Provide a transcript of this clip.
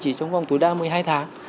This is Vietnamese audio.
chỉ trong vòng tối đa một mươi hai tháng